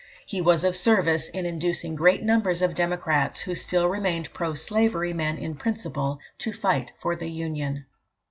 He was of service in inducing great numbers of Democrats, who still remained pro slavery men in principle, to fight for the Union.